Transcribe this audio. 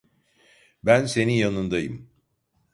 Ben senin yanındayım.